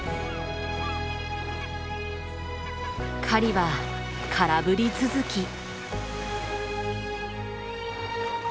狩りは空振り続き。